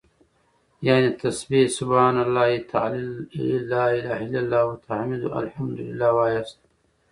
يعنې تسبيح سبحان الله، تهليل لا إله إلا الله او تحميد الحمد لله واياست